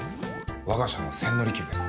我が社の千利休です。